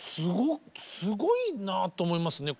いやすごいなと思いますね。